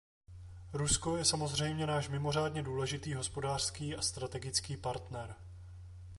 Rusko je samozřejmě náš mimořádně důležitý hospodářský a strategický partner.